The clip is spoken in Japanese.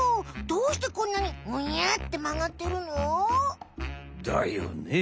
どうしてこんなにグニャってまがってるの？だよね。